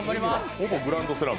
ほぼグランドスラム。